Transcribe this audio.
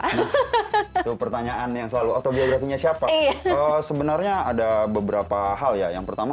itu pertanyaan yang selalu autobiografinya siapa sebenarnya ada beberapa hal ya yang pertama